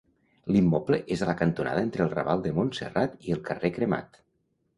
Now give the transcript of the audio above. L'immoble és a la cantonada entre el Raval de Montserrat i el carrer Cremat.